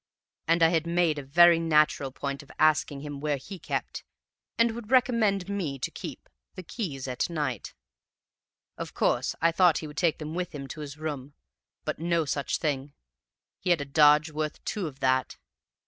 And I had made a very natural point of asking him where he kept, and would recommend me to keep, the keys at night. Of course I thought he would take them with him to his room; but no such thing; he had a dodge worth two of that.